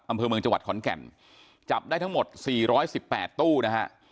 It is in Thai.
อำเภอเมืองจังหวัดขอนแก่นจับได้ทั้งหมด๔๑๘ตู้นะฮะ